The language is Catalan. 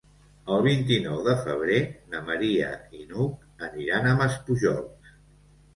El vint-i-nou de febrer na Maria i n'Hug aniran a Maspujols.